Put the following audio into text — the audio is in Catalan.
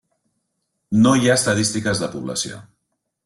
No hi ha estadístiques de població.